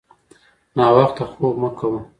ناوخته خوب مه کوه